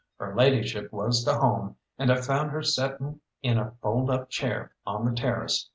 Her ladyship was to home, and I found her setting in a fold up chair on the terrace.